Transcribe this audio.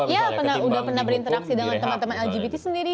ya udah pernah berinteraksi dengan teman teman lgbt sendiri